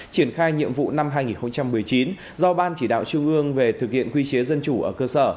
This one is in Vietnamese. triển khai nhiệm vụ năm hai nghìn một mươi chín do ban chỉ đạo trung ương về thực hiện quy chế dân chủ ở cơ sở